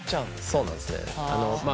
そうなんですね。